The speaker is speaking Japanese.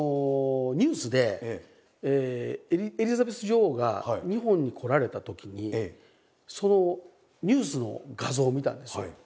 ニュースでエリザベス女王が日本に来られたときにそのニュースの画像を見たんですよ。